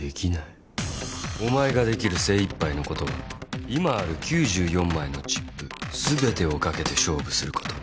お前ができる精いっぱいのことは今ある９４枚のチップ全てを賭けて勝負すること。